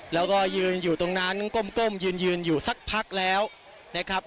แล้วก็ยืนอยู่ตรงนั้นก้มยืนอยู่สักพักแล้วนะครับ